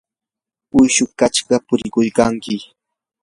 uyshu kashqa purikuykanki.